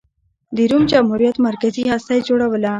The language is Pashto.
د روم جمهوریت مرکزي هسته یې جوړوله.